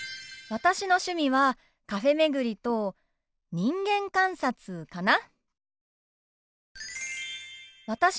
私の趣味はカフェ巡りと人間観察かな。